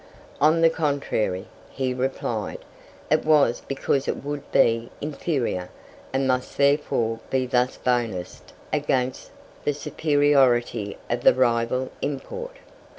"On the contrary," he replied; "it was because it would be inferior, and must therefore be thus bonused against the superiority of the rival import."